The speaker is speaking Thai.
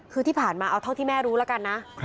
คือที่ผ่านมาเอาเท่าที่แม่รู้แล้วกันนะ